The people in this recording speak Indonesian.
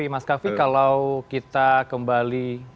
mas kavi kalau kita kembali